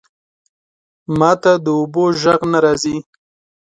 ماته د اوبو ژغ نه راځی